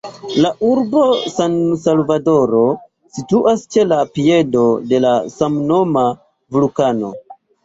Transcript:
La urbo San-Salvadoro situas ĉe la piedo de la samnoma vulkano.